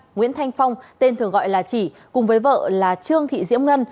nguyễn thanh phong tên thường gọi là chỉ cùng với vợ là trương thị diễm ngân